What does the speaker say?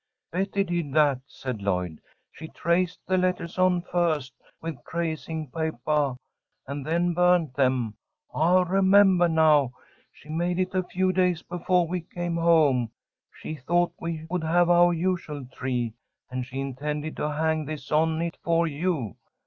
"Betty did that," said Lloyd. "She traced the letters on first with tracing papah, and then burnt them. I remembah now, she made it a few days befoah we came home. She thought we would have our usual tree, and she intended to hang this on it for you.